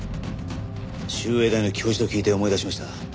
秀栄大の教授と聞いて思い出しました。